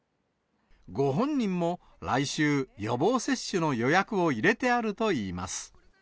ご本人も来週、予防接種の予約を入れてあるといいます。